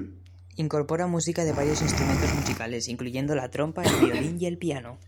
Incorpora música de varios instrumentos musicales, incluyendo la trompa, el violín y el piano.